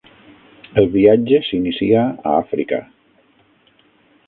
El viatge s'inicia a Àfrica.